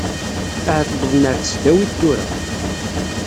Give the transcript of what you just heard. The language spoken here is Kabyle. Ahat wwḍen ɣer tesdawit tura.